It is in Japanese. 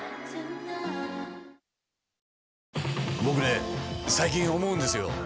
僕ね最近思うんですよ。